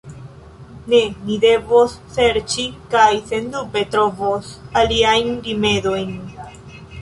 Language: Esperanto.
Ne, ni devos serĉi, kaj sendube trovos, aliajn rimedojn.